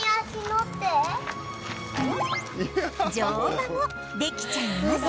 乗馬もできちゃいます